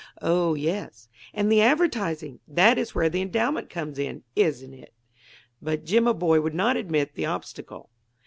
Oh, yes; and the advertising; that is where the endowment comes in, isn't it?" But Jimaboy would not admit the obstacle.